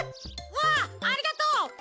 わっありがとう！